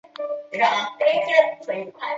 三氟甲烷可用作制冷剂或灭火剂使用。